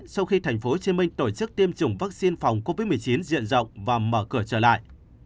sau khi tp hcm tổ chức tiêm chủng vaccine phòng covid một mươi chín diện rộng và mở cửa trở lại